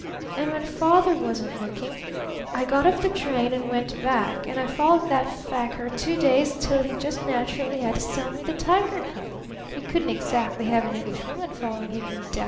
And when Father wasn't looking I got off the train and went back and I followed that fakir two days till he just naturally had to sell me the tiger cub; he couldn't exactly have an Englishwoman following him indefinitely, you know.